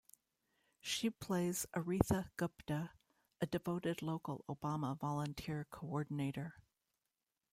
She plays Aretha Gupta, a devoted local Obama volunteer coordinator.